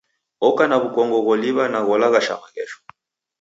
Oka na w'ukongo gholiw'a na kulaghasha maghesho.